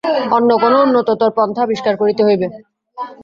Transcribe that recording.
অন্য কোন উন্নততর পন্থা আবিষ্কার করিতে হইবে।